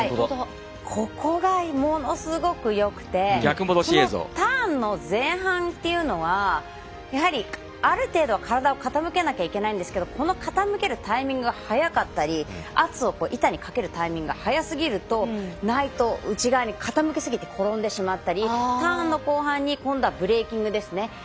ここが、ものすごくよくてこのターンの前半というのはやはりある程度は体を傾けなきゃいけないんですけどこの傾けるタイミングが早かったり圧を板にかけるタイミングが早すぎると内倒、内側に傾きすぎて転んでしまったりターンの後半に今度はブレーキングですね。